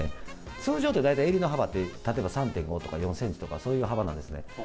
通常って大体、襟の幅って、例えば３．５とか４センチとか、そういう幅なんですね。